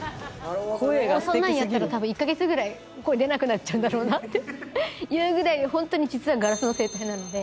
そんなんやったら多分１カ月ぐらい声出なくなっちゃうんだろうなっていうぐらい本当に実はガラスの声帯なので。